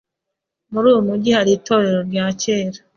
Muri uyu mujyi hari itorero rya kera.